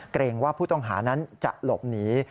เกรงว่าผู้ต้องหานั้นจะหลบหนี